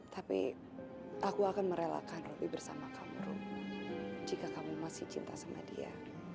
tapi aku akan merelakan robi bersama kamu jika kamu masih cinta sama dia